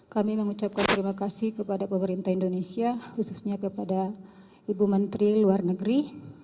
kami mengucapkan terima kasih kepada pemerintah indonesia khususnya kepada ibu menteri luar negeri